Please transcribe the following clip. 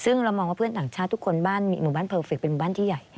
ซึ่งเรามองว่าเพื่อนต่างชาติทุกคนบ้านหมู่บ้านเพอร์เฟคเป็นบ้านที่ใหญ่